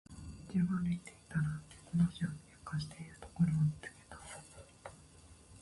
道を歩いていたら、猫同士で喧嘩をしているところを見つけた。